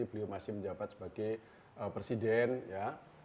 beliau masih menjabat sebagai presiden ya